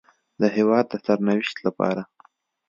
د هېواد د سرنوشت لپاره